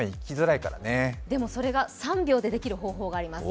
でもそれが３秒でできる方法があります。